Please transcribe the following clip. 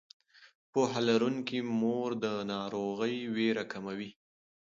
پوهه لرونکې مور د ناروغۍ ویره کموي.